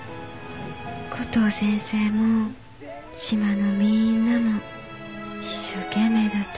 コトー先生も島のみんなも一生懸命だったのよ。